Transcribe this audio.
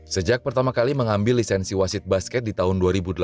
sejak pertama kali mengambil lisensi wasit basket di tahun dua ribu delapan belas